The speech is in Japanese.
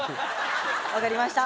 わかりました。